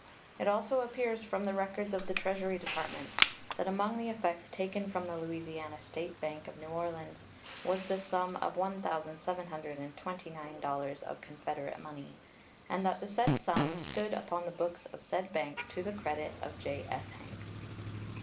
It also appears from the records of the Treasury Department that among the effects taken from the Louisiana State Bank of New Orleans was the sum of $1,729 of Confederate money, and that the said sum stood upon the books of said bank to the credit of J.F. Hanks.